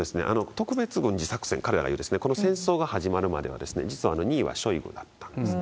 特別軍事作戦、彼らが言う、この戦争が始まるまでは、実は２位はショイグだったんですね。